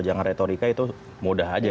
jangan retorika itu mudah aja